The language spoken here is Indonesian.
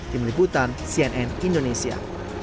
tim liputan cnn indonesia